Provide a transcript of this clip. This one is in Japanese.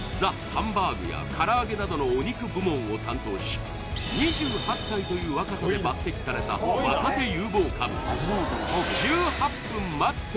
ハンバーグやから揚げなどのお肉部門を担当し２８歳という若さで抜てきされたそう思わせる浅野さん